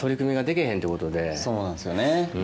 そうなんですよね。